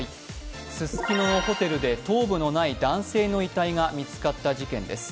ススキノのホテルで頭部のない男性の遺体が見つかった事件です。